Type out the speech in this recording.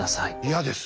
嫌です。